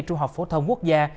trung học phổ thông quốc gia